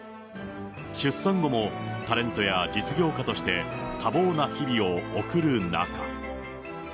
出産後も、タレントや実業家として、多忙な日々を送る中。